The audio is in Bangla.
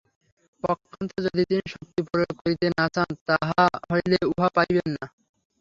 পক্ষান্তরে যদি তিনি শক্তি প্রয়োগ করিতে না চান, তাহা হইলে উহা পাইবেন না।